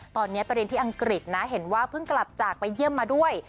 ตอนนี้ไปเรียนที่อังกฤษนะเห็นว่าเพิ่งกลับจากไปเยี่ยมมาด้วย